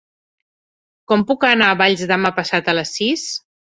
Com puc anar a Valls demà passat a les sis?